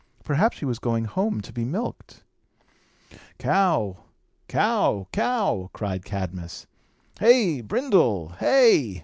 Perhaps she was going home to be milked. "Cow, cow, cow!" cried Cadmus. "Hey, Brindle, hey!